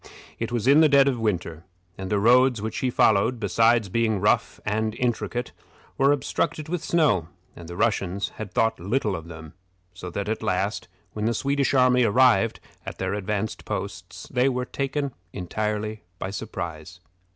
It was in the dead of winter, and the roads which he followed, besides being rough and intricate, were obstructed with snow, and the Russians had thought little of them, so that at last, when the Swedish army arrived at their advanced posts, they were taken entirely by surprise.